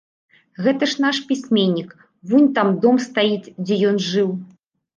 Гэта ж наш пісьменнік, вунь там дом стаіць, дзе ён жыў.